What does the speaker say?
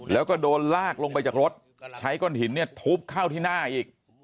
แล้วก็โดนลากลงไปจากรถใช้ก้อนหินเนี่ยทุบเข้าที่หน้าอีก